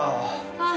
ああ。